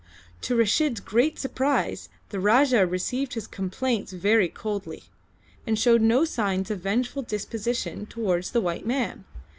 To Reshid's great surprise the Rajah received his complaints very coldly, and showed no signs of vengeful disposition towards the white man.